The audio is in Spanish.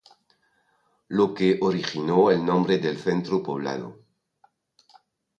Lo que originó el nombre del centro poblado.